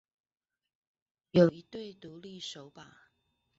有一對獨立手把